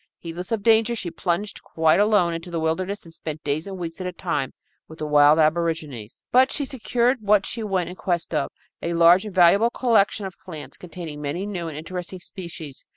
Heedless of danger, she plunged quite alone into the wilderness and spent days and weeks at a time with the wild aborigines. But she secured what she went in quest of, a large and valuable collection of plants, containing many new and interesting species.